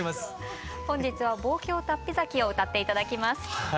本日は「望郷竜飛崎」を歌って頂きます。